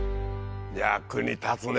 役に立つね